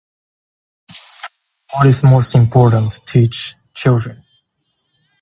What is most important teach children?